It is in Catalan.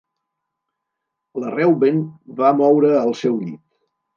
La Reuben va moure el seu llit.